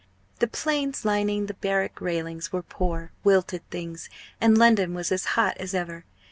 The planes lining the barrack railings were poor, wilted things, and London was as hot as ever.